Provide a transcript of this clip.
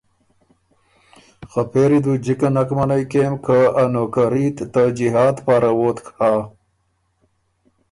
خه پېری ت بُو جِکه نک منعئ کېم که ا نوکري ت ته جهاد پاره ووتک هۀ۔